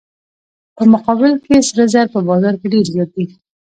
په مقابل کې سره زر په بازار کې ډیر زیات دي.